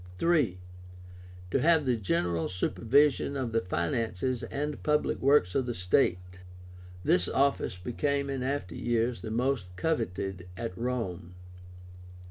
III. To have the general supervision of the finances and public works of the state. This office became in after years the most coveted at Rome.